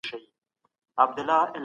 هر څو دي په لاره کي ګړنګ در اچوم